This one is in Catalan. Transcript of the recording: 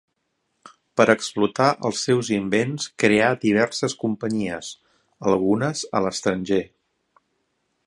Per explotar els seus invents creà diverses companyies, algunes a l'estranger.